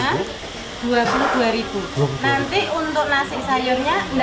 terpikir aja mikir aja boleh mau tambah sayur aja